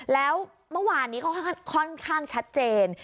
แล้วเมื่อวานนี้ก็ค่อนข้างชัดเจน